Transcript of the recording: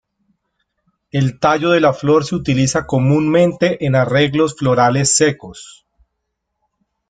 El tallo de la flor se utiliza comúnmente en arreglos florales secos.